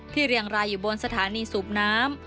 เรียงรายอยู่บนสถานีสูบน้ำ